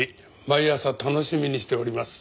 毎朝楽しみにしております。